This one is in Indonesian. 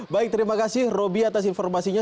baik terima kasih roby atas informasinya